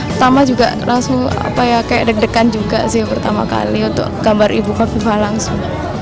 pertama juga langsung kayak deg degan juga sih pertama kali untuk gambar ibu kofifa langsung